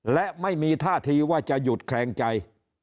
และไม่มีท่าทีว่าจะหยุดแคลงใจ